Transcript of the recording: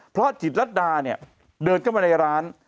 เพราะจิตรัสดาเดินเข้ามาในร้าน